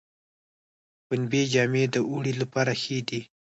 پنبې جامې د اوړي لپاره ښې دي